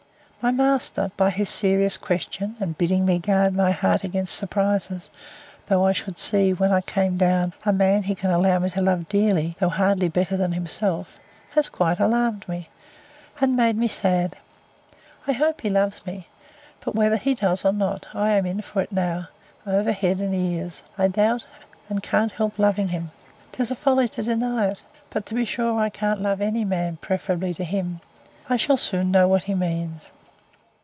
My master, by his serious question, and bidding me guard my heart against surprises, though I should see, when I came down, a man he can allow me to love dearly, though hardly better than himself, has quite alarmed me, and made me sad!—I hope he loves me!—But whether he does or not, I am in for it now, over head and ears, I doubt, and can't help loving him; 'tis a folly to deny it. But to be sure I can't love any man preferably to him. I shall soon know what he means.